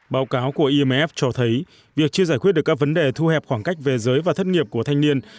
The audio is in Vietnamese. báo cáo của imf cho thấy việc chưa giải quyết được các vấn đề thu hẹp khoảng cách về giới và thất nghiệp của thanh niên